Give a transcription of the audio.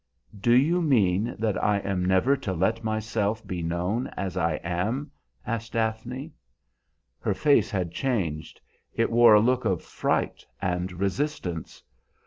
"Do you mean that I am never to let myself be known as I am?" asked Daphne. Her face had changed; it wore a look of fright and resistance.